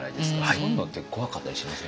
そういうのって怖かったりしません？